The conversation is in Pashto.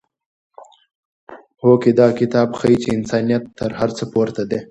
هوکې دا کتاب ښيي چې انسانیت تر هر څه پورته دی.